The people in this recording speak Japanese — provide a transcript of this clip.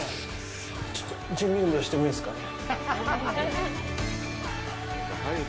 ちょっと準備運動してもいいですかね。